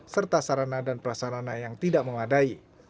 serta sarana dan prasarana yang tidak memadai